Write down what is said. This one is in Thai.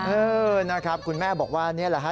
เออนะครับคุณแม่บอกว่านี่แหละฮะ